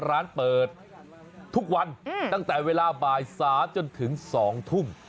ร้านเปิดทุกวันตั้งแต่เวลาบ่าย๓จนถึง๒ทุ่ม